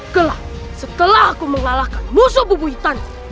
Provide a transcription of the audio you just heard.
gelap setelah aku mengalahkan musuh bubu hitam